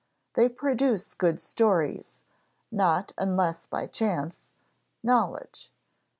They produce good stories, not unless by chance knowledge.